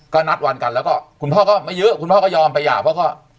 ก็นัดวันกันแล้วก็คุณพ่อก็ไม่ยื้อคุณพ่อก็ยอมไปหย่าเพราะก็